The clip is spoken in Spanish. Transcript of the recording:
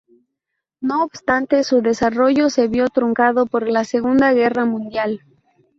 No obstante, su desarrollo se vio truncado por la Segunda Guerra Mundial.